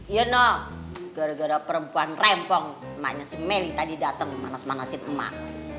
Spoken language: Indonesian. ya no gara gara perempuan rempong emaknya si meli tadi datang manas manasin emak